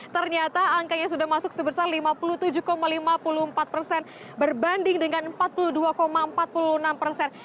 ternyata angkanya sudah masuk sebesar lima puluh tujuh lima puluh empat persen berbanding dengan empat puluh dua empat puluh enam persen